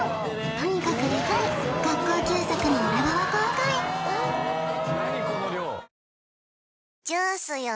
とにかくデカい学校給食の裏側公開あああい‼